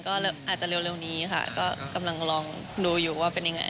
ก็อาจจะเร็วนี้ค่ะก็กำลังลองดูอยู่ว่าเป็นยังไง